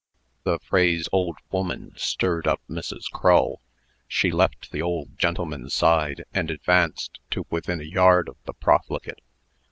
The phrase "old woman" stirred up Mrs. Crull. She left the old gentleman's side, and advanced to within a yard of the profligate.